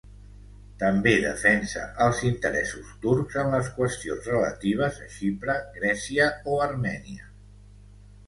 També defensa els interessos turcs en les qüestions relatives a Xipre, Grècia o Armènia.